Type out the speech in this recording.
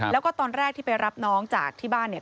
แล้วก็ตอนแรกที่ไปรับน้องจากที่บ้านเนี่ย